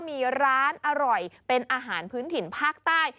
มีร้านอร่อยเป็นอาหารพื้นถิ่นภาคใต้